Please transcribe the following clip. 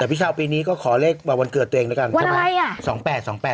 แต่พี่เช้าปีนี้ก็ขอเลขวันเกิดตัวเองด้วยกันวันอะไรอ่ะ